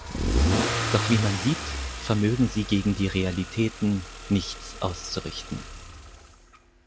Doch wie man sieht, vermögen sie gegen die Realitäten nichts auszurichten.